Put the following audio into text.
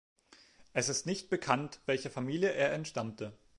Es ist nicht bekannt, welcher Familie er entstammte.